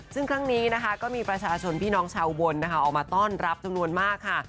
ซึ่งครั้งนี้นะคะก็มีประชาชนพี่น้องชาวอุบลนะคะออกมาต้อนรับจำนวนมากค่ะ